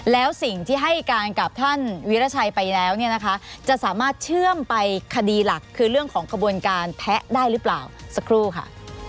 แล้วสิ่งที่ให้การกับท่านวิราชัยไปแล้วเนี่ยนะคะจะสามารถเชื่อมไปคดีหลักคือเรื่องของกระบวนการแพะได้หรือเปล่าสักครู่ค่ะ